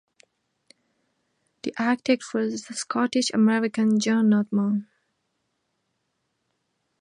The architect was the Scottish-American John Notman.